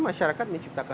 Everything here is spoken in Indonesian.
mereka juga jadi udara